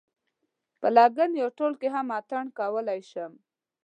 په لګن یا تال کې هم اتڼ کولای شم.